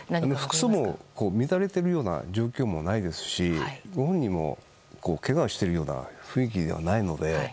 服装も乱れているような状況もないですし、本人もけがをしているような雰囲気ではないので。